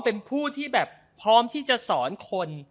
เป็นผู้ที่แบบพร้อมที่จะสอนคน